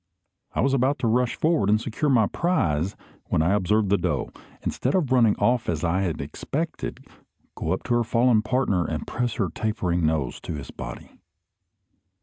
I was about to rush forward and secure my prize, when I observed the doe, instead of running off as I had expected, go up to her fallen partner and press her tapering nose to his body.